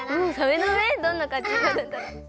どんなかんじになるんだろう。